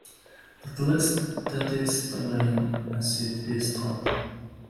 At least that is the legend as it is told.